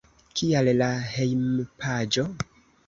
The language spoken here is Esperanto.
Kial la hejmpaĝo?